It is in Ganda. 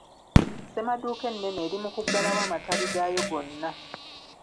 Ssemaduuka ennene eri mu kuggalawo amatabi gaayo gonna.